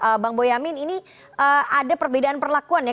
mbak boyani ini ada perbedaan perlakuan ya